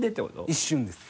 一瞬です。